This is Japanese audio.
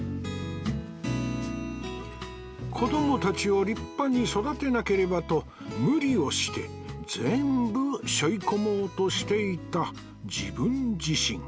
子どもたちを立派に育てなければと無理をして全部背負い込もうとしていた自分自身